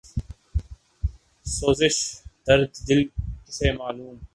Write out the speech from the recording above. سوزش درد دل کسے معلوم